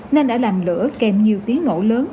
nên đã làm lửa kèm nhiều tiếng nổ lớn